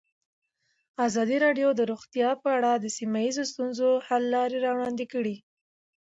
ازادي راډیو د روغتیا په اړه د سیمه ییزو ستونزو حل لارې راوړاندې کړې.